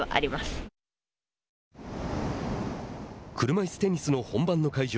車いすテニスの本番の会場